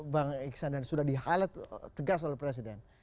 bang iksan dan sudah di highlight tegas oleh presiden